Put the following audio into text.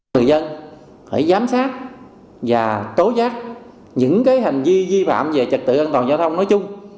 người dân phải giám sát và tố giác những hành vi vi phạm về trật tự an toàn giao thông nói chung